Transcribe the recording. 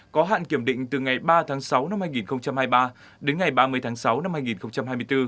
có hạn kiểm định từ ngày ba tháng sáu năm hai nghìn hai mươi ba đến ngày ba mươi tháng sáu năm hai nghìn hai mươi bốn